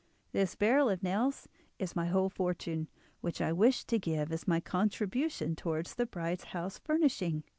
This barrel of nails is my whole fortune, which I wish to give as my contribution towards the bride's house furnishing."